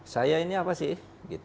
saya ini apa sih